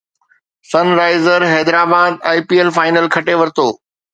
سن Risers Hyderabad I P L final کٽي ورتو